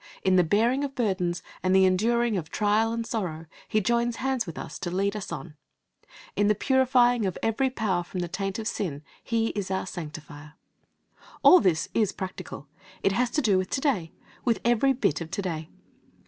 In the bearing of burdens and the enduring of trial and sorrow He joins hands with us to lead us on. In the purifying of every power from the taint of sin He is our Sanctifier. All this is practical. It has to do with to day with every bit of to day.